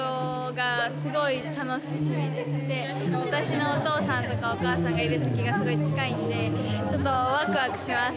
私のお父さんとかお母さんがいる席がすごい近いんでちょっとワクワクします